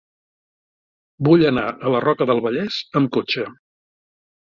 Vull anar a la Roca del Vallès amb cotxe.